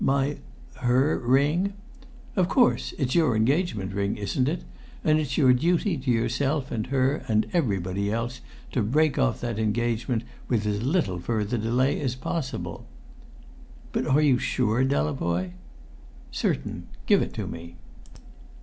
"My her ring?" "Of course; it's your engagement ring, isn't it? And it's your duty, to yourself and her and everybody else, to break off that engagement with as little further delay as possible." "But are you sure, Delavoye?" "Certain. Give it to me."